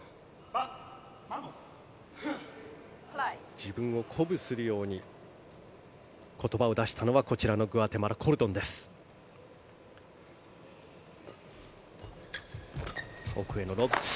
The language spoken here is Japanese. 自分を鼓舞するように言葉を出したのはこちらのグアテマラのコルドンです。